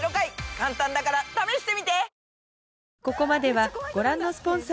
簡単だから試してみて！